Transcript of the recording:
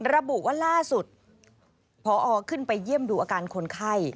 ระบุว่าล่าสุดพอขึ้นไปเยี่ยมดูอาการคนไข้